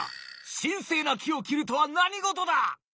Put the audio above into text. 神聖な木を切るとは何事だ！？